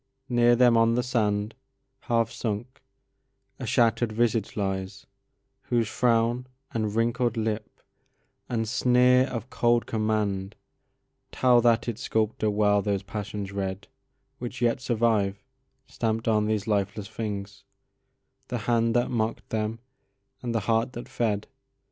Near them on the sand, Half sunk, a shatter'd visage lies, whose frownAnd wrinkled lip and sneer of cold commandTell that its sculptor well those passions readWhich yet survive, stamp'd on these lifeless things, The hand that mock'd them and the heart that fed.